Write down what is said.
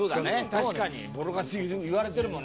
確かにボロカスに言われてるもんね